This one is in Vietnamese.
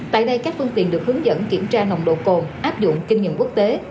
tại đây các phương tiện được hướng dẫn kiểm tra nồng độ cồn áp dụng kinh nghiệm quốc tế